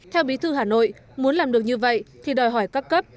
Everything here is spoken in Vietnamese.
theo bí thư hà nội muốn làm được như vậy thì đòi hỏi các cấp